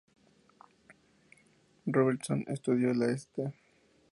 Robertson estudió en la St.